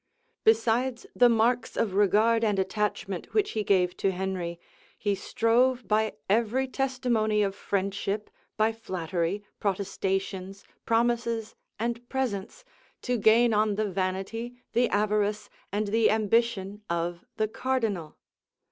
Besides the marks of regard and attachment which he gave to Henry, he strove by every testimony of friendship, by flattery, protestations, promises, and presents, to gain on the vanity, the avarice, and the ambition of the cardinal.